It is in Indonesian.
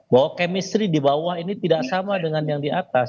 bahwa chemistry di bawah ini tidak sama dengan yang di atas